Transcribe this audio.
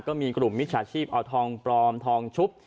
ก็มีกลุ่มมิจฉาชีพเอาทองปลอมทองชุบ